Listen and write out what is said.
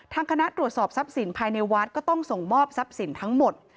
คณะตรวจสอบทรัพย์สินภายในวัดก็ต้องส่งมอบทรัพย์สินทั้งหมด